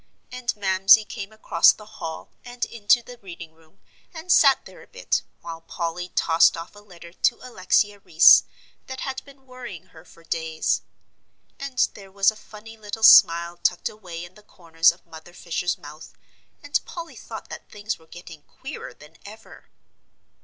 And Mamsie came across the hall, and into the reading room, and sat there a bit, while Polly tossed off a letter to Alexia Rhys, that had been worrying her for days. And there was a funny little smile tucked away in the corners of Mother Fisher's mouth, and Polly thought that things were getting queerer than ever.